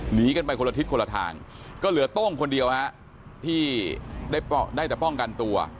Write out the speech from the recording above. หนีกันไปคนละทิศคนละทางก็เหลือโต้งคนเดียวฮะที่ได้แต่ป้องกันตัว